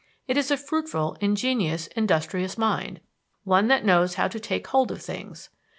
It is a fruitful, ingenious, industrious mind, one that knows how to "take hold of things."